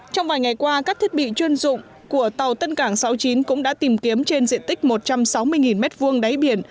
trong vài ngày qua các thiết bị chuyên dụng của tàu tân cảng sáu mươi chín cũng đã tìm kiếm trên diện tích một trăm sáu mươi m hai đáy biển